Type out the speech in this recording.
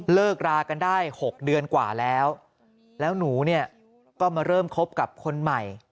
เลิกรากันได้๖เดือนกว่าแล้วแล้วหนูเนี่ยก็มาเริ่มคบกับคนใหม่